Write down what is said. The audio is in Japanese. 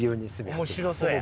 面白そうや。